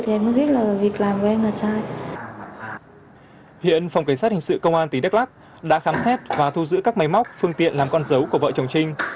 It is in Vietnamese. hiện phòng cảnh sát hình sự công an tỉnh đắk lắc đã khám xét và thu giữ các máy móc phương tiện làm con dấu của vợ chồng trinh